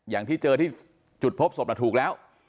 อย่างที่เจอที่จุดพบศพถูกแล้ว